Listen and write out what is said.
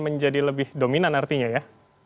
menjadi lebih dominan artinya ya